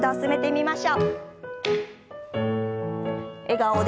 笑顔で。